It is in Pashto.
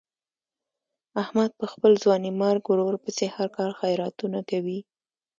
احمد په خپل ځوانیمرګ ورور پسې هر کال خیراتونه کوي.